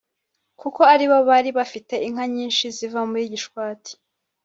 kuko aribo bari bafite inka nyinshi ziva muri Gishwati